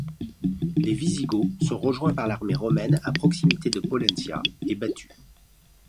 Les Wisigoths sont rejoints par l'armée romaine à proximité de Pollentia et battus.